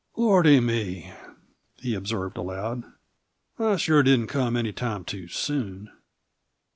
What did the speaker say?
"Lordy me!" he observed aloud, "I sure didn't come any too soon!"